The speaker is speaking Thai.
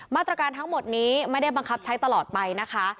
มาตรการทั้งหมดนี้ไม่ได้บังคับใช้ตลอดไปนะคะ